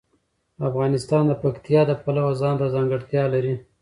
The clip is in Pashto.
افغانستان د پکتیا د پلوه ځانته ځانګړتیا لري.